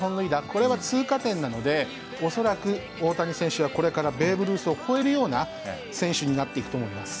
これは通過点なので恐らく大谷選手はこれからベーブ・ルースを超えるような選手になっていくと思います。